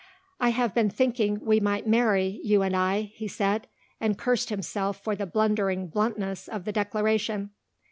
"I have been thinking we might marry, you and I," he said, and cursed himself for the blundering bluntness of the declaration.